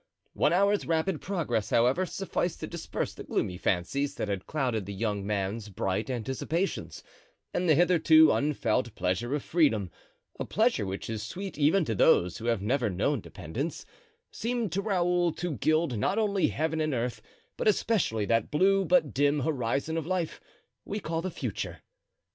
One hour's rapid progress, however, sufficed to disperse the gloomy fancies that had clouded the young man's bright anticipations; and the hitherto unfelt pleasure of freedom—a pleasure which is sweet even to those who have never known dependence—seemed to Raoul to gild not only Heaven and earth, but especially that blue but dim horizon of life we call the future.